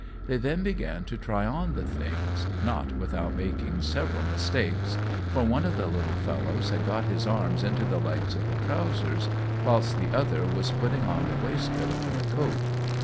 They then began to try on the things, not without making several mistakes, for one of the little fellows had got his arms into the legs of the trowsers, whilst the other was putting on the waistcoat over the coat.